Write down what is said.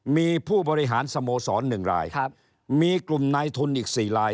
มีผู้บริหารสโมสร๑รายมีกลุ่มนายทุนอีก๔ราย